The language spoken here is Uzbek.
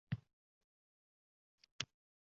Yana bir omil – mavjud imkoniyatlardan foydalanish.